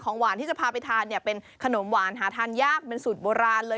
หวานที่จะพาไปทานเนี่ยเป็นขนมหวานหาทานยากเป็นสูตรโบราณเลย